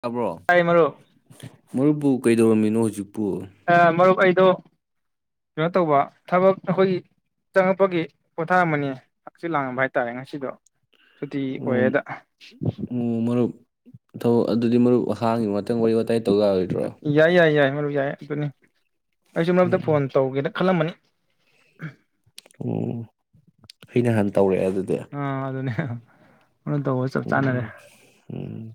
ꯇꯥꯕ꯭ꯔꯣ ꯇꯥꯏ ꯃꯔꯨꯞ ꯃꯔꯨꯞꯄꯨ ꯀꯩꯗꯧꯔꯝꯃꯤꯅꯣ ꯍꯨꯖꯤꯛ ꯑ ꯃꯔꯨꯞ ꯑꯩ ꯑꯗꯣ ꯀꯩꯅꯣ ꯇꯧꯕ ꯊꯕꯛ ꯑꯈꯣꯏꯒꯤ ꯆꯪꯉꯛꯄꯒꯤ ꯄꯣꯊꯥꯔꯝꯕꯅꯤ ꯍꯛꯆꯤꯠ ꯂꯥꯡꯉꯝꯕ ꯍꯥꯏꯇꯥꯔꯦ ꯉꯁꯤꯗꯣ ꯁꯨꯇꯤ ꯑꯣꯏꯌꯦꯗ ꯊꯧ ꯑꯗꯨꯗꯤ ꯃꯔꯨꯞ [unintelligible] ꯋꯥꯔꯤ ꯋꯥꯇꯥꯏ ꯇꯧ ꯌꯥꯔꯣꯏꯗ꯭ꯔꯣ [unintelligible] ꯌꯥꯏ ꯑꯗꯨꯅꯤ ꯑꯩꯁꯨ ꯃꯔꯨꯞꯇ ꯎꯝ ꯐꯣꯟ ꯇꯧꯒꯦꯗ ꯈꯜꯂꯝꯕꯅꯤ ꯎꯝ ꯑꯩ ꯅꯍꯥꯟ ꯇꯧꯔꯛꯑꯦ ꯑꯗꯨꯗꯤ ꯑꯥ ꯑꯗꯨꯅꯦ [unintelligible] ꯇꯧꯕ ꯆꯞ ꯆꯥꯅꯔꯦ ꯎꯝ ꯎꯝ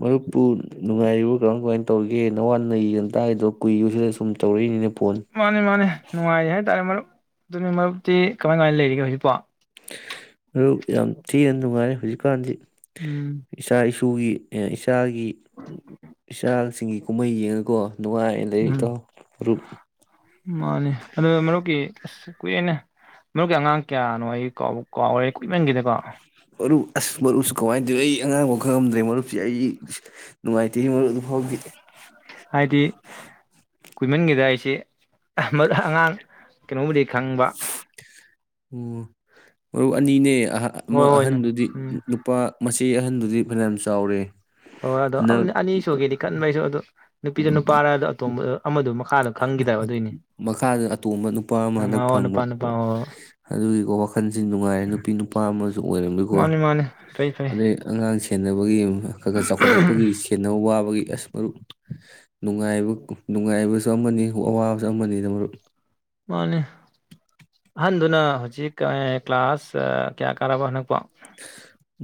ꯃꯔꯨꯞꯄꯨ ꯅꯨꯡꯉꯥꯏꯔꯤꯕ ꯀꯃꯥꯏ ꯀꯃꯥꯏꯅ ꯇꯧꯔꯤꯒꯦ ꯅꯋꯥ ꯅꯌꯤꯒ ꯇꯥꯒꯤꯗꯕ ꯀꯨꯏꯕꯁꯤꯗ ꯁꯨꯝ ꯇꯧꯔꯛꯏꯅꯤꯅꯦ ꯐꯣꯟ ꯃꯥꯅꯤ ꯃꯥꯅꯦ ꯅꯨꯡꯉꯥꯏꯔꯤ ꯍꯥꯏꯇꯥꯔꯦ ꯃꯔꯨꯞ ꯑꯗꯨꯅꯤ ꯃꯔꯨꯞꯛꯇꯤ ꯀꯃꯥꯏ ꯀꯃꯥꯏꯅ ꯂꯩꯔꯤꯒꯦ ꯍꯧꯖꯤꯛꯄꯣ ꯃꯔꯨꯞ ꯌꯥꯝ ꯊꯤꯅ ꯅꯨꯡꯉꯥꯏ ꯍꯧꯖꯤꯛꯀꯥꯟꯗꯤ ꯎꯝ ꯏꯨꯒꯤ ꯏꯆꯥꯒꯤ ꯏꯆꯥꯁꯤꯡꯒꯤ ꯀꯨꯝꯍꯩ ꯌꯦꯡꯉꯀꯣ ꯅꯨꯡꯉꯥꯏꯅ ꯂꯩꯔꯤ ꯎꯝ ꯏꯇꯥꯎ ꯃꯔꯨꯞ ꯃꯥꯅꯤ ꯑꯗꯨ ꯃꯔꯨꯞꯀꯤ ꯑꯁ ꯀꯨꯏꯔꯦꯅꯦ ꯃꯔꯨꯞꯀꯤ ꯑꯉꯥꯡ ꯀꯌꯥꯅꯣ ꯑꯩ ꯕꯨ ꯀꯥꯎꯕꯨ ꯀꯥꯎꯔꯦ ꯀꯨꯏꯃꯟꯈꯤꯦꯗꯀꯣ ꯃꯔꯨꯞ ꯑꯁ ꯃꯔꯨꯞꯁꯨ ꯀꯃꯥꯏ ꯇꯧꯏ ꯑꯩ ꯑꯉꯥꯡꯕꯧ ꯈꯪꯉꯝꯗ꯭ꯔꯦ ꯃꯔꯨꯞꯁꯤ ꯑꯩ ꯑꯁ ꯅꯨꯡꯉꯥꯏꯇꯦꯅꯦ ꯃꯔꯨꯞ ꯑꯗꯨ ꯐꯥꯎꯗꯤ ꯍꯥꯏꯗꯤ ꯀꯨꯏꯃꯟꯒꯤꯗ ꯑꯩꯁꯤ [unintelligible] ꯑꯉꯥꯡ ꯀꯩꯅꯣꯕꯨꯗꯤ ꯈꯪꯕ ꯎꯝ ꯃꯔꯨ ꯑꯅꯤꯅꯦ ꯑꯍ ꯑꯃ ꯍꯣꯏ ꯍꯣꯏꯅꯦ ꯑꯍꯟꯗꯨꯗꯤ ꯎꯝ ꯅꯨꯄꯥ ꯃꯆꯦ ꯑꯍꯟꯗꯨꯗꯤ ꯐꯅꯌꯥꯝ ꯆꯥꯎꯔꯦ ꯍꯣꯏ ꯑꯗꯣ ꯍꯟꯗꯛ ꯑꯅꯤ ꯁꯨꯒꯦꯗꯤ ꯈꯟꯕ ꯑꯩꯁꯨ ꯑꯗꯨ ꯅꯨꯄꯤꯔꯥ ꯅꯨꯄꯥꯔꯥ ꯑꯗꯨ ꯑꯇꯣꯝꯕꯗꯨ ꯑꯃꯗꯨ ꯃꯈꯥꯗ ꯑꯇꯣꯝꯕ ꯅꯨꯄꯥ ꯑꯃ ꯃꯥ ꯍꯟꯗꯛ ꯍꯣ ꯐꯪꯕ ꯅꯨꯄꯥ ꯅꯨꯄꯥ ꯍꯣ ꯍꯣꯏ ꯑꯗꯨꯒꯤꯀꯣ ꯋꯥꯈꯟꯖꯤ ꯅꯨꯡꯉꯥꯏꯔꯦ ꯅꯨꯄꯤ ꯅꯨꯄꯥ ꯑꯃꯖꯨ ꯑꯣꯏꯔꯝꯃꯤꯀꯣ ꯃꯥꯅꯤ ꯃꯥꯅꯤ ꯐꯩ ꯐꯩ ꯑꯗꯩ ꯑꯉꯥꯡꯁꯤꯡ [unintelligible] ꯈꯒ ꯆꯥꯎꯈꯠꯂꯛꯄꯒꯤ ꯁꯦꯟꯅꯕ ꯋꯥꯕꯒꯤ ꯑꯁ ꯃꯔꯨꯞ ꯅꯨꯡꯉꯥꯏꯕ ꯅꯨꯡꯉꯥꯏꯕ ꯁꯨ ꯑꯃꯅꯤ ꯑꯋꯥꯕꯁꯨ ꯑꯃꯅꯤ ꯃꯔꯨꯞ ꯃꯥꯅꯦ ꯑꯍꯟꯗꯨꯅ ꯍꯧꯖꯤꯛ ꯀ꯭ꯂꯥꯁ ꯀꯌꯥ ꯀꯥꯔꯕ ꯍꯟꯅꯛꯄꯣ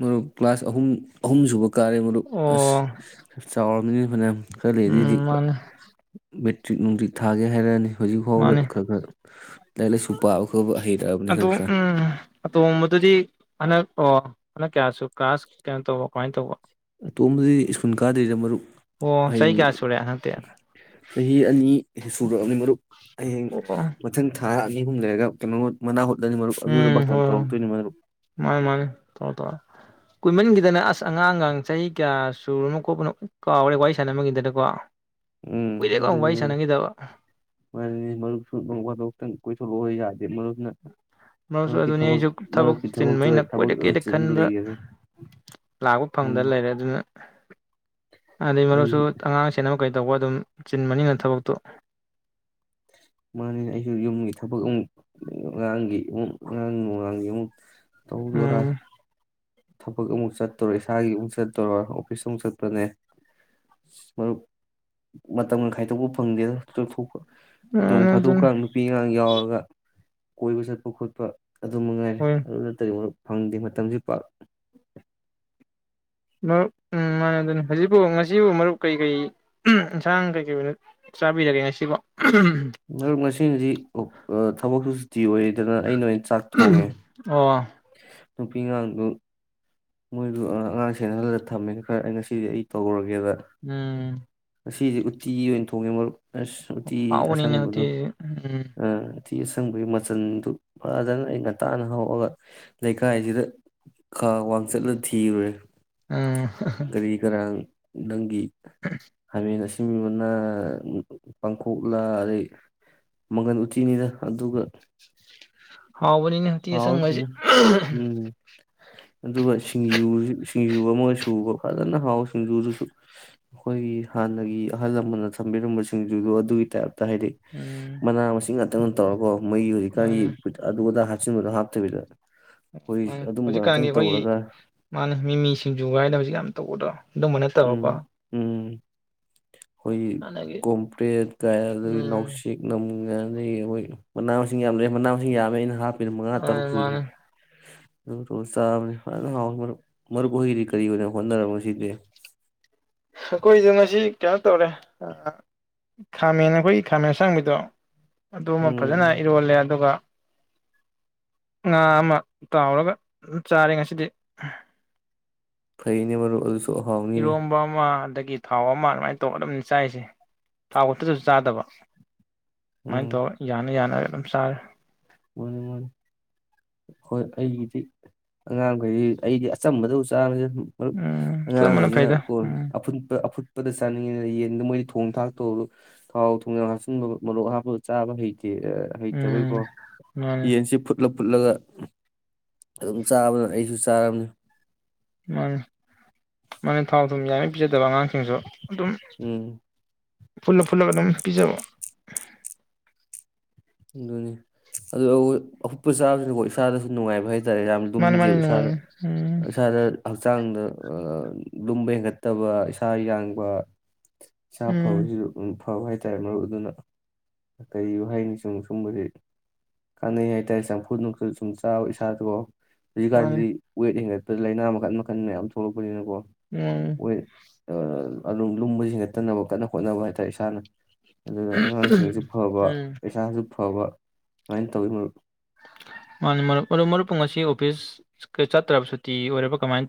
ꯃꯔꯨꯞ ꯀ꯭ꯂꯥꯁ ꯑꯍꯨꯝ ꯑꯍꯨꯝ ꯁꯨꯕ ꯀꯥꯔꯦ ꯃꯔꯨꯄ ꯑꯣ ꯑꯁ [unintelligible] ꯃꯤ ꯐꯅ [unintelligible] ꯈꯔꯥ ꯂꯩꯦꯗꯩꯩꯗꯤ ꯎꯝ ꯃꯥꯅꯤ ꯆ꯭ꯤꯛ ꯅꯨꯡꯤꯠ ꯊꯥꯒꯦ ꯍꯥꯏꯔꯛꯑꯅꯤ ꯍꯧꯖꯤꯛ ꯐꯥꯎꯗ ꯃꯥꯅꯤ ꯈꯔ ꯈꯔ ꯂꯥꯏꯔꯤꯛ ꯂꯥꯏꯁꯨ ꯄꯥꯕ ꯈꯔꯕ ꯍꯩꯔꯛꯑꯕꯅꯤ ꯑꯗꯣ ꯈꯔ ꯈꯔ ꯎꯝ ꯑꯇꯣꯝꯕꯗꯨꯗꯤ ꯍꯟꯗꯛ ꯑꯣ ꯍꯅ ꯀꯌꯥꯁꯨ ꯀ꯭ꯂꯥꯁ ꯀꯩꯅꯣ ꯇꯧꯕ ꯀꯃꯥꯏꯅ ꯇꯧꯕ ꯑꯇꯣꯝꯕꯗꯤ ꯁ꯭ꯀꯨꯜ ꯀꯥꯗ꯭ꯔꯤꯗ ꯃꯔꯨꯞ ꯑꯣ ꯆꯍꯤ ꯍꯌꯦꯡ ꯀꯌꯥ ꯁꯨꯔꯦ ꯍꯟꯗꯛꯇꯤ ꯆꯍꯤ ꯑꯅꯤ ꯁꯨꯔꯛꯑꯝꯅꯤ ꯃꯔꯨꯞ ꯍꯌꯦꯡ ꯑꯣ ꯃꯊꯪ ꯊꯥꯔ [unintelligible] ꯎꯝ ꯍꯣꯏ ꯍꯣꯏ ꯃꯥꯅꯤ ꯃꯥꯅꯤ ꯇꯧꯔꯣ ꯇꯧꯔꯣ ꯀꯨꯏꯃꯟꯒꯤꯗꯅ ꯑꯁ ꯑꯉꯥꯡꯒꯥꯡ ꯆꯍꯤ ꯀꯌꯥ ꯁꯨꯔꯅꯣ ꯈꯣꯠꯄꯅꯣ ꯀꯥꯎꯔꯦ ꯋꯥꯔꯤ ꯁꯥꯟꯅꯃꯟꯒꯤꯗꯅꯀꯣ ꯎꯝ ꯑꯗꯨꯅꯤ ꯃꯔꯨꯞ ꯃꯅꯤ ꯃꯔꯨꯞꯁꯨ ꯅꯣꯡꯐꯗꯣꯛꯇꯪ ꯀꯣꯏꯊꯣ [unintelligible] ꯃꯔꯨꯞꯁꯨ ꯑꯗꯨꯅꯤ ꯑꯩꯖꯨ ꯊꯕꯛ ꯃꯔꯨꯞꯀꯤ ꯊꯕꯛꯇꯨꯗ ꯆꯤꯟꯕꯩꯅ ꯊꯕꯛ ꯑꯃ ꯀꯣꯏꯔꯛꯀꯦꯗꯤ ꯆꯤꯜ ꯈꯟꯕ ꯂꯩꯈꯔꯦ ꯂꯥꯛꯄ ꯎꯝ ꯐꯪꯗꯅ ꯂꯩꯔꯦ ꯑꯗꯨꯅ ꯃꯅꯤ ꯑꯩ ꯃꯔꯨꯞꯁꯨ ꯑꯉꯥꯡꯁꯦꯅ ꯀꯩꯗꯧꯕ ꯑꯗꯨꯝ ꯆꯤꯟꯕꯅꯤꯅ ꯊꯕꯛꯇꯣ ꯃꯥꯅꯤꯅꯦ ꯑꯩꯁꯨ ꯌꯨꯝꯒꯤ ꯊꯕꯛ ꯑꯃꯨꯛ [unintelligible] ꯑꯉꯥꯡꯒꯤ [unintelligible] ꯇꯧꯗꯣꯔꯥ ꯎꯝ ꯊꯕꯛ ꯑꯃꯨꯛ ꯆꯠꯇꯣꯔ ꯏꯁꯥꯒꯤ ꯑꯃꯨꯛ ꯆꯠ ꯇꯧꯔ ꯑꯣꯐꯤꯁ ꯑꯃꯨꯛ ꯆꯠꯄꯅꯦ ꯃꯔꯨꯞ ꯃꯇꯝꯒ ꯈꯥꯏꯗꯣꯛꯄ ꯐꯪꯗꯦꯗ [unintelligible] ꯅꯣꯡ ꯃꯥꯅꯦ ꯑꯗꯨꯅꯤ ꯐꯥꯗꯣꯛꯀꯥꯡ ꯅꯨꯄꯤ ꯑꯉꯥꯡ ꯌꯥꯎꯔꯒ ꯀꯣꯏꯕ ꯆꯠꯄ ꯈꯣꯠꯄ ꯑꯗꯨ ꯃꯉꯥꯏ ꯍꯣꯏ ꯑꯗꯨ [unintelligible] ꯐꯪꯗꯦ ꯃꯇꯝꯖꯤ ꯄꯥꯛ [unintelligible] ꯃꯔꯨꯞ ꯎꯝ ꯃꯥꯅꯦ ꯑꯗꯨꯅꯤ ꯍꯧꯖꯤꯛꯄꯨ ꯉꯁꯤꯕꯨ ꯃꯔꯨꯞ ꯀꯩꯀꯩ ꯑꯦꯟꯁꯥꯡ ꯀꯩꯀꯩ ꯑꯣꯏꯅ ꯆꯥꯕꯤꯔꯒꯦ ꯉꯁꯤꯐꯣ ꯃꯔꯨꯝ ꯉꯁꯤꯗꯤ ꯑ ꯊꯕꯛꯁꯨ ꯇꯤ ꯑꯣꯏꯌꯦꯗꯅ ꯑꯩꯅ ꯑꯣꯏꯅ ꯆꯥꯛ ꯊꯣꯡꯉꯦ ꯑꯣ ꯅꯨꯄꯤ [unintelligible] ꯃꯣꯏꯗꯨ ꯑꯉꯥꯡ ꯁꯦꯅ ꯍꯜꯂꯒ ꯊꯝꯃꯦ ꯈꯔ ꯑꯩ ꯉꯁꯤꯗꯤ ꯑꯩ ꯇꯧꯔꯒꯦ ꯎꯝ ꯁꯤꯁꯦ ꯎꯠꯇꯤ ꯑꯣꯏꯅ ꯊꯣꯡꯉꯦ ꯃꯔꯨꯞ ꯑꯁ ꯎꯇꯤ [unintelligible] ꯎꯝ ꯎꯇꯤ ꯑꯁꯪꯕꯒꯤ ꯃꯆꯜꯗꯨ ꯐꯖꯅ ꯑꯩꯅ [unintelligible] ꯍꯧꯔꯒ ꯂꯩꯀꯥꯏꯁꯤꯗ ꯈꯥ ꯋꯥꯡ ꯆꯠꯂ ꯊꯤꯔꯨꯔꯦ ꯎꯝ ꯀꯔꯤ ꯀꯔꯥꯡ ꯅꯪꯒꯤ [unintelligible] [unintelligible] ꯄꯥꯡꯈꯣꯛꯂ ꯑꯗꯩ ꯃꯪꯒꯟ ꯎꯇꯤꯅꯤꯗ ꯑꯗꯨꯒ ꯍꯥꯎꯕꯅꯤꯅꯦ ꯎꯇꯤ ꯍꯥꯎꯔꯦ ꯑꯁꯪꯕꯁꯤ ꯐꯖꯅ ꯎꯝ ꯑꯗꯨꯒ ꯁꯤꯡꯖꯨ ꯁꯤꯡꯖꯨ ꯑꯃ ꯁꯨꯕ ꯐꯖꯅ ꯍꯥꯎ ꯁꯤꯡꯖꯨꯗꯨꯁꯨ ꯑꯈꯣꯏꯒꯤ ꯍꯥꯟꯅꯒꯤ ꯑꯍꯜ ꯂꯃꯟꯅ ꯊꯝꯕꯤꯔꯝꯕ ꯁꯤꯡꯖꯨꯗꯣ ꯑꯗꯨꯒꯤ ꯇꯥꯏꯞ ꯍꯥꯏꯗꯤ ꯎꯝ ꯃꯅꯥ ꯃꯁꯤꯡ ꯉꯥꯛꯇꯪ ꯇꯧꯔꯒꯀꯣ ꯃꯩ ꯍꯧꯖꯤꯛꯀꯥꯟꯒꯤ ꯃꯥꯅꯦ ꯑꯗꯨ ꯑꯗ ꯍꯥꯞꯆꯤꯟꯕꯗꯣ ꯍꯥꯞꯇꯕꯤꯗ ꯑꯈꯣꯏ ꯑꯗꯨꯝꯕ ꯉꯥꯛꯇꯪ ꯑꯈꯣꯏꯒꯤ ꯇꯧꯔꯒ ꯃꯥꯅꯦ ꯃꯤꯃꯤ ꯁꯤꯡꯖꯨꯒ ꯍꯥꯏꯅ ꯍꯧꯖꯤꯛ ꯌꯥꯝ ꯇꯧꯕꯗ ꯑꯗꯨꯝꯕ ꯅꯠꯇꯕꯀꯣ ꯑꯈꯣꯏꯒꯤ ꯍꯥꯟꯅꯒꯤ ꯀꯣꯝꯄ꯭ꯔꯦꯠ ꯀ ꯑꯗꯒꯤ ꯎꯝ ꯅꯥꯎꯁꯦꯛ [unintelligible] [unintelligible] [unintelligible] [inaudible] ꯃꯤꯅꯠ ꯝꯉꯥ ꯃꯥꯅꯦ ꯇꯥꯔꯨꯛ ꯁꯨꯏ ꯃꯥꯅꯦ ꯆꯥ ꯃꯔꯨꯞ ꯍꯩꯗꯤ ꯀꯔꯤꯅꯣ ꯍꯣꯠꯅꯔꯕ ꯉꯥꯁꯤꯗꯤ ꯑꯩꯈꯣꯏꯗꯣ ꯉꯁꯤ ꯀꯩꯅꯣ ꯇꯧꯔꯦ ꯈꯥꯃꯦꯟ ꯑꯩꯈꯣꯏꯒꯤ ꯈꯥꯃꯦꯟ ꯑꯁꯥꯡꯕꯤꯗꯣ ꯑꯗꯨꯃ ꯐꯖꯅ ꯎꯝ ꯏꯔꯣꯜꯂꯦ ꯑꯗꯨꯒ ꯉꯥ ꯑꯃ ꯇꯥꯎꯔꯒ ꯆꯥꯔꯦ ꯉꯁꯤꯗꯤ ꯀꯩꯩꯅꯦ ꯃꯔꯄ ꯏꯔꯣꯝꯕ ꯑꯃ ꯑꯗꯒꯤ ꯊꯥꯎ ꯑꯃ ꯑꯗꯨꯃꯥꯏꯅ ꯇꯧꯒꯗꯕꯅꯤ ꯆꯥꯏꯔꯤꯁꯦ ꯊꯥꯎ ꯈꯛꯇꯗꯁꯨ ꯆꯥꯗꯕ ꯃꯥꯏꯅ ꯎꯝ ꯇꯧ ꯌꯥꯅ ꯌꯥꯅ ꯂꯝ ꯁꯥꯔꯦ ꯃꯥꯅꯤ ꯃꯥꯅꯤ ꯍꯣꯏ ꯑꯩꯒꯤꯗꯤ ꯑꯉꯥꯡꯈꯩꯗꯤ ꯑꯩꯗꯤ ꯑꯆꯝꯕꯗꯕꯨ ꯆꯥꯅꯁꯦ ꯃꯔꯨꯞ ꯎꯝ ꯆꯞ ꯃꯥꯟꯅ ꯑꯉꯥꯡꯕꯁꯤꯅ ꯐꯩꯗ ꯀꯣꯜ ꯎꯝ ꯑꯐꯨꯠ [unintelligible] ꯍꯥꯄꯗ ꯆꯥꯅꯤꯡꯉꯤꯗꯅ ꯌꯦꯟꯗ ꯃꯣꯏꯗꯤ ꯊꯣꯡ ꯊꯥꯛ ꯇꯧꯔ ꯊꯥꯎ ꯊꯣꯡꯅ ꯍꯥꯞꯆꯤꯟꯕ ꯃꯣꯔꯣꯛ ꯍꯥꯞꯄꯗ ꯆꯥꯕ ꯍꯩ ꯁꯤ ꯍꯩꯇꯕꯩꯀꯣ ꯎꯝ ꯃꯥꯅꯦ ꯌꯦꯟꯁꯤ ꯐꯨꯠꯂꯞ ꯄꯨꯠꯂꯒ ꯑꯗꯨꯝ ꯆꯥꯕꯅ ꯑꯩꯁꯨ ꯆꯥꯔꯕꯅꯤ ꯃꯅꯤ ꯃꯅꯤ ꯊꯥꯎ ꯊꯝ ꯌꯥꯔꯤ ꯄꯤꯖꯗꯕ ꯑꯉꯥꯡꯁꯤꯡꯁꯨ ꯑꯗꯨꯝ ꯎꯝ ꯐꯨꯜꯂꯞ ꯐꯨꯜꯂꯒ ꯑꯗꯨꯝ ꯄꯤꯖꯕ ꯑꯗꯨꯅꯤ ꯑꯗꯨꯣ ꯑꯍꯨꯞꯄ ꯆꯥꯕꯁꯤꯅꯀꯣ ꯏꯁꯥꯗꯁꯨ ꯅꯨꯡꯉꯥꯏꯕ ꯍꯥꯏꯇꯥꯔꯦ ꯍꯥꯏꯦ ꯌꯥꯝ ꯃꯥꯅꯤ ꯃꯥꯅꯤ ꯂꯨꯝꯗꯦꯕ ꯏꯁꯥꯗ ꯅꯨꯡꯉꯥꯏꯅꯤ ꯎꯝ ꯏꯁꯥꯗ ꯍꯛꯆꯥꯡꯗ ꯂꯨꯝꯕ ꯍꯦꯟꯒꯠꯇꯕ ꯏꯁꯥ ꯌꯥꯡꯕ ꯆ ꯐꯥꯎ ꯎꯝ ꯎ ꯐꯥꯎꯕ ꯍꯥꯏꯇꯥꯔꯦ ꯃꯔꯨꯞ ꯑꯗꯨꯅ ꯀꯔꯤ ꯍꯥꯏꯅꯤ ꯁꯨꯝ ꯁꯨꯝꯕꯗꯤ ꯀꯥꯟꯅꯩ ꯍꯥꯏꯇꯥꯔꯦ ꯆꯝꯐꯨ ꯅꯨꯡꯁꯨ ꯁꯨꯝ ꯆꯥꯎ ꯏꯁꯥꯗꯣ ꯃꯥꯅꯤ ꯍꯧꯖꯤꯀꯥꯟꯗꯤ ꯋꯦꯠ ꯍꯦꯟꯒꯠ ꯂꯥꯏꯅꯥ ꯃꯈꯟ ꯃꯈꯟ ꯌꯥꯝ ꯊꯣꯛꯂꯛꯄꯅꯤꯅ [unintelligible] ꯎꯝ ꯑꯗꯨꯝ ꯂꯨꯝꯕ ꯒꯠꯇꯅꯕ ꯀꯟꯅ ꯈꯣꯠꯅꯕ ꯍꯥꯏꯇꯥꯔꯦ ꯏꯁꯥꯅ ꯑꯗꯨꯅ ꯑꯉꯥꯡꯁꯤꯡꯒꯤꯁꯨ ꯐꯕ ꯎꯝ ꯁꯨ ꯐꯕ ꯁꯨꯃꯥꯏꯅ ꯇꯧꯋꯤ ꯃꯔꯨꯞ ꯃꯥꯒꯤ ꯃꯔꯨꯞ ꯃꯔꯨꯞꯄ ꯑꯁꯤ ꯑꯣꯐꯤꯁꯀ ꯆꯠꯇ꯭ꯔꯕ ꯁꯨꯇꯤ ꯑꯣꯏꯔꯕ ꯀꯃꯥꯏꯅ ꯇꯧ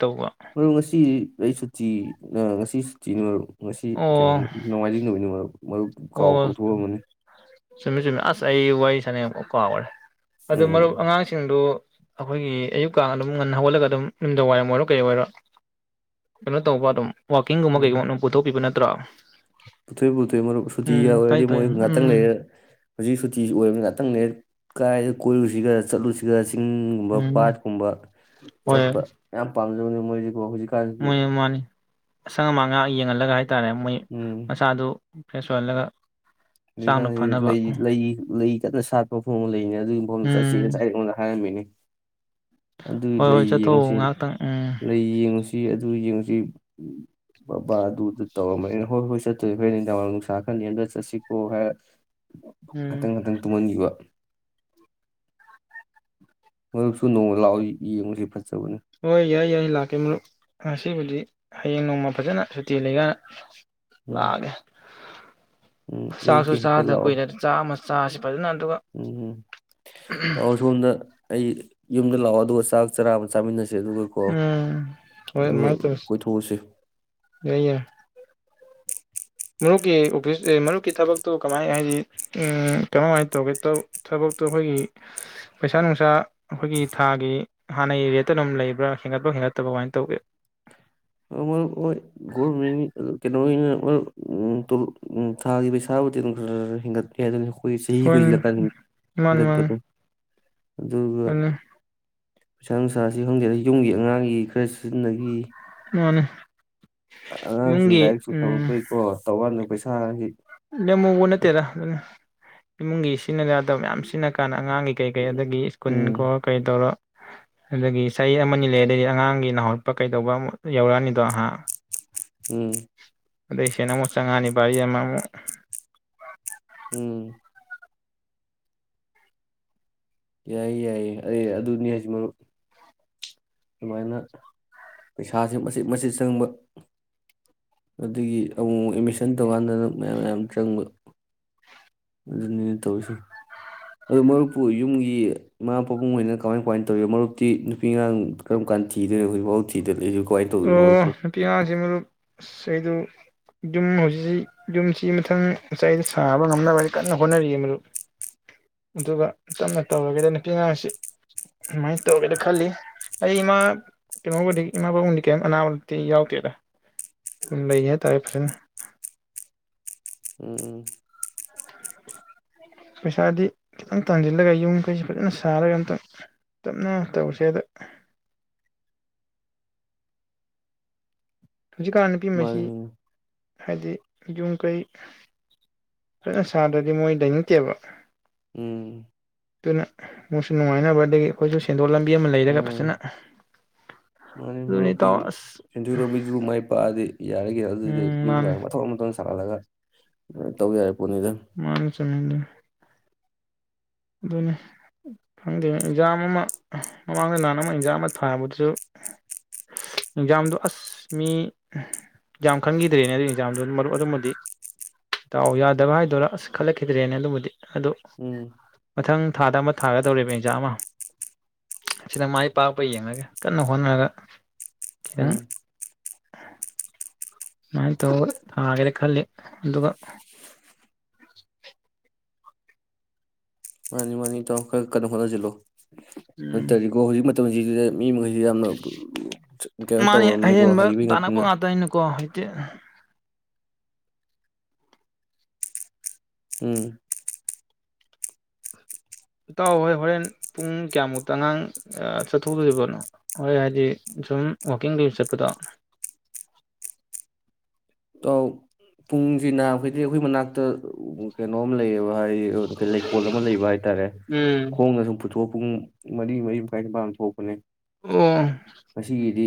ꯃꯔꯣ ꯉꯁꯤ ꯑꯩ ꯁꯨꯇꯤ ꯉꯁꯤ ꯁꯨꯇꯤꯅꯤ ꯃꯔꯨꯞ ꯉꯁꯤ ꯀꯩꯅꯣ ꯑꯣ ꯅꯣꯡꯃꯥꯏꯖꯤꯡ ꯅꯨꯃꯤꯠꯅꯤ ꯃꯔꯨꯞ ꯃꯔꯨꯞ ꯀꯥꯎ ꯑꯣ ꯀꯥꯎꯊꯣꯛꯑꯝꯕꯅꯤ ꯆꯨꯝꯃꯤ ꯆꯨꯝꯃꯤ ꯑꯁ ꯑꯩ [unintelligible] [unintelligible] ꯑꯗꯨ ꯃꯔꯨꯞ ꯎꯝ ꯑꯉꯥꯡꯁꯤꯡꯗꯨ ꯑꯈꯣꯏꯒꯤ ꯑꯌꯨꯛꯀ ꯑꯗꯨꯝ ꯉꯟꯅ ꯍꯧꯒꯠꯂꯒ ꯑꯗꯨꯝ ꯅꯨꯝꯗꯥꯡ ꯋꯥꯏꯔꯝ ꯑꯣꯏꯔꯣ ꯀꯩ ꯑꯣꯏꯔꯣ ꯀꯩꯅꯣ ꯇꯧꯕ ꯑꯗꯨꯝ ꯋꯥꯥꯀꯤꯡꯒꯨꯝꯕ ꯀꯩꯒꯨꯝꯕꯝ ꯄꯨꯊꯣꯛꯄꯤꯕ ꯅꯠ [unintelligible] ꯄꯨꯊꯣꯛꯏ ꯄꯨꯊ ꯃꯔꯨꯞ ꯁꯨꯇꯤꯒ ꯑꯣꯏꯔꯗꯤ ꯃꯣꯏ ꯉꯥꯛꯇꯪ ꯎꯝ ꯂꯩꯔ ꯍꯨꯖꯤꯛ ꯁꯨꯇꯤꯁꯤ ꯑꯣꯏꯕꯅꯤ ꯉꯥꯛꯇꯪ [unintelligible] ꯀꯥꯏꯗ ꯀꯣꯏꯔꯨꯁꯤꯒ ꯆꯠꯂꯨꯁꯤꯒ ꯆꯤꯡꯒꯨꯝꯕ ꯎꯝ ꯄꯥꯠ ꯀꯨꯝꯕ ꯆꯠꯄ ꯌꯥꯝ ꯄꯥꯝ [unintelligible] [inaudible] ꯃꯥꯅꯤ ꯃꯥꯅꯤ ꯑꯁꯪ ꯑꯃꯥꯟ [unintelligible] ꯌꯦꯡꯍꯜꯂꯒ ꯍꯥꯏ ꯍꯥꯏꯇꯥꯔꯦ ꯃꯣꯏ ꯃꯁꯥꯗꯨ ꯐ꯭ꯔꯦꯁ ꯑꯣꯏꯍꯜꯂꯒ [unintelligible] ꯂꯩ ꯍꯛꯆꯥꯡꯗꯣ ꯐꯅꯕ ꯂꯩ ꯎꯝ ꯂꯩ ꯂꯩ [unintelligible] ꯁꯥꯠꯄ ꯐꯣꯡꯕ ꯂꯩꯅꯤ ꯑꯗꯨꯏ ꯃꯐꯝ ꯆꯠꯁꯤ ꯉꯁꯥꯏ ꯑꯩꯉꯣꯟꯗ ꯍꯥꯏꯔꯝꯃꯤꯅꯤ ꯑꯗꯨ ꯍꯣꯏ ꯍꯣꯏ ꯂꯩ ꯆꯠꯊꯣꯛꯎ ꯌꯦꯡꯉꯨꯁꯤ ꯉꯥꯏꯍꯥꯛꯇꯪ ꯎꯝ ꯂꯩ ꯌꯦꯡꯉꯨꯁꯤ ꯑꯗꯨ ꯌꯦꯡꯁꯤ ꯕꯕꯥ ꯑꯗꯨꯗ ꯇꯧꯔꯝꯕ [unintelligible] ꯍꯣꯏ ꯍꯣꯏ ꯆꯠꯇꯣꯏ ꯍꯣꯔꯦꯟ [unintelligible] ꯅꯨꯡꯁꯥ ꯈꯔꯥ ꯅꯦꯝꯗꯔꯥ ꯆꯠꯁꯤꯀꯣ ꯍꯥꯏꯔ ꯎꯝ ꯉꯇꯪ ꯉꯇꯪ ꯇꯨꯝꯍꯟꯈꯤꯕ ꯃꯔꯨꯞꯁꯨ ꯅꯣꯡꯃ ꯂꯥꯛꯑꯣ ꯌꯦꯡꯉꯨꯁꯤ ꯐꯖꯕꯅꯤ ꯍꯣꯏ ꯌꯥꯏ ꯌꯥꯏ ꯂꯥꯛꯀꯦ ꯃꯔꯨꯞ ꯉꯁꯤꯕꯨꯗꯤ ꯍꯌꯦꯡ ꯅꯣꯡꯃ ꯐꯖꯅ ꯁꯨꯇꯤ ꯂꯩ [unintelligible] ꯎꯝ ꯂꯥꯛꯑꯒꯦ ꯎꯝ ꯆꯥꯛꯁꯨ ꯑꯌꯨꯛꯇ ꯍꯦꯛꯇ ꯆꯥꯗ ꯂꯥꯛꯑꯣ ꯀꯨꯏꯔꯦ ꯆꯥꯛ ꯑꯃ ꯆꯥꯁꯤ ꯐꯖꯅ ꯑꯗꯨꯒ ꯎꯝ ꯂꯥꯛꯑꯣ ꯁꯣꯝꯗ ꯑꯩ ꯌꯨꯝꯗ ꯂꯥꯛꯑꯣ ꯑꯗꯨꯒ ꯆꯥꯛ [unintelligible] ꯆꯥꯃꯤꯟꯅꯁꯦ ꯑꯗꯨꯒꯀꯣ ꯎꯝ ꯍꯣꯏ ꯑꯗꯨꯒ ꯑꯗꯨꯃꯥꯏꯅ ꯇꯧꯔꯁꯤ ꯀꯣꯏꯊꯣꯛꯎꯁꯤ ꯌꯥꯏ ꯌꯥꯏ ꯃꯔꯨꯞꯀꯤ ꯑꯣꯐꯤꯁ ꯃꯔꯨꯞꯀꯤ ꯊꯕꯛꯇꯣ ꯀꯃꯥꯏ ꯍꯥꯏꯗꯤ ꯀꯃꯝꯍꯥꯏꯅ ꯇꯧꯒꯦ ꯊꯕꯛꯇꯣ ꯑꯈꯣꯏꯒꯤ ꯄꯩꯁꯥ ꯅꯨꯡꯁꯥ ꯑꯈꯣꯏꯒꯤ ꯊꯥꯒꯤ ꯍꯥꯟꯅꯒꯤ ꯔꯦꯠꯇ ꯑꯗꯨꯝ ꯂꯩꯕ꯭ꯔꯥ ꯍꯦꯟꯒꯠꯄ ꯍꯦꯟꯒꯠꯇꯕ ꯀꯃꯥꯏꯅ ꯇꯧꯒꯦ [unintelligible] [unintelligible] [unintelligible] ꯊꯥꯒꯤ ꯄꯩꯁꯥꯕꯨꯗꯤ ꯑꯗꯨꯝ ꯈꯔ ꯈꯔ ꯍꯣꯏꯅꯦ ꯃꯥꯅꯤ ꯍꯦꯟꯒꯠ [unintelligible] ꯃꯥꯅꯤ [unintelligible] ꯑꯗꯨꯒ ꯑꯗꯨꯅꯤ ꯄꯩꯁꯥ ꯅꯨꯡꯁꯥꯁꯤ ꯍꯪꯖꯔ ꯌꯨꯝꯒꯤ ꯑꯉꯥꯡꯒꯤ ꯈꯔ ꯁꯤꯖꯤꯟꯅꯈꯤ ꯃꯥꯅꯦ ꯑꯉꯥꯡꯁꯤꯡ ꯂꯥꯏꯔꯤꯛꯁꯨ ꯇꯝꯃꯛꯛꯇꯨꯏꯀꯣ ꯇꯧꯕꯥꯅꯗ ꯄꯩꯁꯥ ꯍ ꯍ ꯅꯃꯨꯕꯨꯅꯦ ꯇꯦꯔ ꯏꯃꯨꯡꯒꯤ ꯁꯤꯖꯤꯟꯅ ꯌꯥꯗꯕ ꯃꯌꯥꯝ ꯁꯤꯖꯤꯟꯅ ꯀꯥꯟꯅ ꯑꯉꯥꯡꯒꯤ ꯀꯩ ꯀꯩ ꯑꯗꯒꯤ ꯁ꯭ꯀꯨꯜ ꯀꯣ ꯎꯝ ꯀꯩ ꯇꯧꯔꯣ ꯑꯗꯨꯗꯒꯤ ꯆꯍꯤ ꯑꯃꯅꯤ ꯑꯃ ꯂꯩ ꯑꯗꯩꯗꯤ ꯑꯉꯥꯡꯒꯤ ꯅꯅꯥꯍꯠꯄ ꯀꯩꯗꯧꯕ ꯌꯧꯔꯛꯑꯅꯤꯗꯣ ꯉꯍꯥꯛ ꯎꯝ ꯑꯗꯩꯁꯤꯅ ꯑꯃꯨꯛ ꯆꯪꯉꯥꯅꯤ ꯔꯤ ꯑꯃꯃꯨꯛ ꯎꯝ ꯌꯥꯏꯌꯦ ꯌꯥꯏꯌꯦ ꯑꯩ ꯑꯗꯨꯅꯤ ꯍꯥꯏꯁꯤ ꯃꯔꯨꯞ ꯑꯗꯨꯃꯥꯏꯅ ꯄꯩꯁꯥꯁꯦ ꯃꯆꯤꯠ ꯃꯆꯤꯠ ꯆꯪꯕ ꯑꯗꯒꯤ ꯑꯃꯨꯛꯛ ꯑꯦꯠꯃꯤꯁꯟ ꯇꯧꯀꯥꯟꯗꯅ ꯃꯌꯥꯝ ꯃꯌꯥꯝ ꯆꯪꯕ ꯑꯗꯨꯅꯤꯅ ꯇꯧꯔꯤꯁꯦ ꯑ ꯃꯔꯨꯞꯄꯨ ꯌꯨꯝꯒꯤ ꯏꯃꯥ ꯄꯥꯕꯨꯡ ꯑꯣꯏꯅ ꯀꯃꯥꯏ ꯀꯃꯥꯏꯅ ꯇꯧꯔꯤ ꯃꯔꯨꯞꯇꯤ ꯅꯨꯄꯤ ꯑꯉꯥꯡ ꯀꯔꯝ ꯀꯥꯟ ꯊꯤꯗꯣꯏꯅ ꯍꯧꯖꯤꯣꯏꯐꯥꯎ ꯊꯤꯗꯅ ꯑꯣ ꯅꯨꯄꯤ ꯑꯉꯥꯡꯁꯤ ꯃꯔꯨꯞ ꯁꯗꯨ ꯌꯨꯝ ꯍꯧꯖꯤꯛꯁꯤ ꯌꯨꯝꯁꯤ ꯃꯊꯪ ꯉꯥꯏꯗ ꯁꯥꯕ ꯉꯝꯅꯕꯗꯤ ꯀꯟꯅ ꯍꯣꯠꯅꯔꯤ ꯃꯔꯗꯨꯨꯞ ꯑꯗꯨꯒ ꯇꯞꯅ ꯇꯧꯔꯒꯦꯗ ꯅꯨꯄꯤ ꯑꯉꯥꯡꯁꯤ ꯀꯃꯥꯏꯅ ꯇꯧꯒꯦꯅ ꯈꯜꯂꯤ ꯑꯩ ꯏꯃꯥ ꯀꯩꯅꯣꯕꯨꯗꯤ ꯏꯃꯥ ꯄꯕꯥꯕꯨꯡꯗꯤ ꯀꯩꯝ ꯑꯅꯥꯕꯛꯇꯤ ꯌꯥꯎꯗꯦꯗ ꯑꯗꯨꯝ ꯂꯩꯒꯦ ꯍꯥꯏꯇꯥꯔꯦ ꯐꯖꯅ ꯎꯝ ꯄꯩꯁꯥꯗꯤ ꯈꯤꯇꯪ ꯇꯥꯟꯁꯤꯜꯂꯒ ꯌꯨꯝꯈꯩꯁꯤ ꯐꯖꯅ ꯁꯥꯔꯒ ꯑꯝꯇꯪ ꯇꯞꯅ ꯇꯧꯁꯦ ꯑꯗ ꯍꯧꯖꯤꯛꯀꯥꯟ ꯅꯨꯄꯤ ꯑꯁꯤ ꯃꯥꯅꯤ ꯍꯥꯏꯗꯤ ꯌꯨꯝ ꯀꯩ ꯐꯖꯅ ꯁꯥꯗ꯭ꯔꯗꯤ ꯃꯣꯏ ꯂꯩꯅꯗꯦꯕ ꯎꯝ ꯑꯗꯨꯅ ꯃꯣꯏꯁꯨ ꯅꯨꯡꯉꯥꯏꯅꯕꯗꯒꯤ ꯑꯩꯈꯣꯏꯁꯨ ꯁꯦꯟꯗꯣꯛꯂꯝꯃꯤ ꯃꯥꯅꯤ ꯃꯥꯅꯤ ꯃꯥꯅꯤ ꯑꯗꯨꯅꯤ ꯃꯔꯨꯞꯀꯤ ꯏꯇꯥꯎ ꯑꯁ ꯁꯦꯟꯖꯨ ꯂꯝꯕꯤꯗꯨ ꯃꯥꯏ ꯄꯥꯛꯑꯗꯤ ꯌꯥꯔꯒꯦ ꯑꯗꯨꯗꯤ ꯎꯝ ꯌꯨꯝ ꯀ ꯃꯥꯅꯤ ꯃꯊꯊꯧ ꯃꯊ ꯁꯥꯍꯜꯂꯒ ꯇꯧ ꯌꯥꯔꯦ ꯄꯣꯠꯅꯤꯗ ꯃꯥ ꯆꯉꯗ ꯑꯗꯨꯅꯤ ꯈꯪꯗꯦ ꯑꯦꯛꯖꯥꯝ ꯑꯃ ꯃꯃꯥꯡꯗ ꯅꯍꯥꯟ ꯑꯃ ꯑꯦꯛꯖꯥꯝ ꯑꯃ ꯊꯥꯕꯗꯨꯁꯨ ꯑꯦꯛꯖꯥꯝꯗꯣ ꯑꯁ ꯃꯤ ꯌꯥꯝ ꯈꯟꯈꯤꯗ꯭ꯔꯦꯅꯦ ꯑꯗꯨ ꯑꯦꯛꯖꯥꯝꯗꯨ ꯃꯔꯨꯞ ꯑꯗꯨꯕꯨꯗꯤ ꯇꯥꯎ ꯌꯥꯗꯕ ꯍꯥꯏꯗꯣꯏꯔꯥ ꯑꯁ ꯈꯜꯂꯛꯈꯤꯗ꯭ꯔꯦꯅꯦ ꯑꯗꯨꯕꯨꯗꯤ ꯑꯗꯨ ꯎꯝ ꯃꯊꯪ ꯊꯥꯗ ꯑꯃ ꯊꯥꯒꯗꯧꯕ ꯑꯦꯟꯖꯥꯝ ꯑꯃ ꯑꯁꯤꯗ ꯃꯥꯏ ꯄꯥꯛꯄ ꯌꯦꯡꯉꯒꯦ ꯀꯟꯅ ꯍꯣꯠꯅꯔꯒ ꯈꯤꯇꯪ ꯎꯝ [inaudible] ꯅꯥꯟ ꯇꯧ ꯍꯥꯏꯒꯔꯦ ꯈꯜꯂꯤ ꯑꯗꯨꯒ ꯃꯥꯅꯤ ꯃꯥꯅꯤ ꯇ ꯀꯩꯅꯣ ꯐ ꯆꯂꯣ ꯑ ꯎꯝ ꯇꯔꯤꯒꯣ ꯍꯧ ꯁꯤꯁꯤꯗ ꯃꯤ ꯃꯈꯩꯁꯤ ꯌꯥꯝꯅ ꯀꯩꯅꯣ ꯃꯥꯅꯦ ꯇꯧꯔꯕꯅꯤꯀꯣ ꯑꯌꯦꯦꯟꯕ ꯍꯩꯕꯩ ꯇꯥꯟꯅꯕ ꯉꯥꯛꯇꯅ ꯉꯥꯛꯇꯅꯀꯣ ꯇ ꯎꯝ ꯏꯇꯥꯎ ꯍꯣꯏ ꯍꯣꯔꯦꯟ ꯄꯨꯡ ꯀꯌꯥꯃꯨꯛꯇ ꯑꯉꯥꯡ ꯆꯠꯊꯣꯛꯗꯣꯔꯤꯕꯅꯣ ꯍꯣꯏ ꯍꯥꯏꯗꯤ ꯁꯨꯝ ꯋꯀꯤꯡ ꯀ ꯆꯠꯄꯗꯣ ꯄꯨꯡꯁꯤ ꯅꯥ ꯍꯥꯏꯗꯤ ꯑꯩꯈꯣꯏ ꯃꯅꯥꯛꯇ ꯎ ꯀꯩꯅꯣꯝ ꯂꯩꯌꯦꯕ ꯍꯥꯏꯗꯤ ꯂꯩꯀꯣꯜ ꯑꯃ ꯂꯩꯕ ꯍꯥꯏꯇꯥꯔꯦ ꯎꯝ ꯈꯣꯡꯅ ꯁꯨꯝ ꯊꯣꯛꯄꯨꯡ ꯃꯔꯤ ꯃꯔꯤ ꯃꯈꯥꯏ ꯄꯥꯟ ꯊꯣꯛꯄꯅꯦ ꯑꯣ ꯉꯁꯤꯒꯤꯗꯤ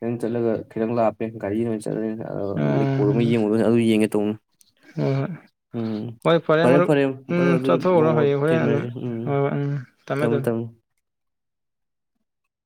ꯅꯪ ꯆꯠꯂꯒ ꯈꯤꯇꯪ ꯂꯥꯞꯄꯦ ꯒꯥꯔꯤꯗ ꯑꯣꯏꯅ ꯆꯠꯂꯅꯤꯅ ꯎꯝ ꯂꯩꯀꯣꯜ ꯑꯃ ꯍꯣꯏ ꯌꯦꯡꯉꯨꯗꯅꯤ ꯑꯗꯨ ꯌꯦꯡꯒꯦ ꯇꯧꯅꯤ ꯍꯣꯏ ꯎꯝ ꯍꯣꯏ ꯐꯔꯦ ꯃꯔꯨꯞ ꯐꯔꯦ ꯃꯔꯨꯞ ꯎꯝ ꯑꯗꯨꯗꯤ ꯆꯠꯊꯣꯛꯎꯔꯣ ꯅꯣꯡꯃ ꯍꯌꯦꯡ ꯍꯣꯔꯦꯟ ꯑꯗꯨꯝ ꯊꯦꯡꯅꯔꯁꯤ ꯎꯝꯝ ꯍꯣꯏ ꯍꯣꯏ ꯎꯝ ꯊꯝꯃꯦ ꯊꯝꯃꯣ ꯊꯝꯃꯦ ꯊꯝꯃꯣ